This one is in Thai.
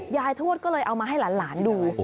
ทวดก็เลยเอามาให้หลานดู